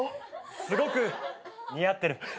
すごく似合ってる。